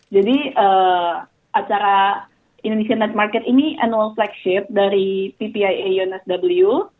jadi acara indonesia night market ini annual flagship dari ppia unsw